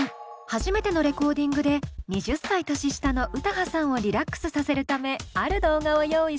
初めてのレコーディングで２０歳年下の歌羽さんをリラックスさせるためある動画を用意したんだそう。